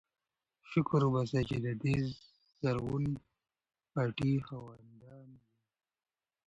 شکر وباسئ چې د دې زرغون پټي خاوندان یئ.